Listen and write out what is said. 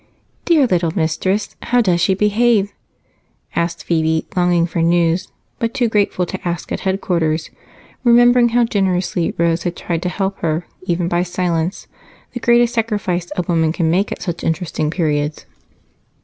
"Dear little mistress! How does she behave?" asked Phebe, longing for news, but too grateful to ask at headquarters, remembering how generously Rose had tried to help her, even by silence, the greatest sacrifice a woman can make at such interesting periods.